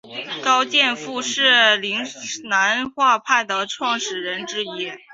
高剑父是岭南画派的创始人之一。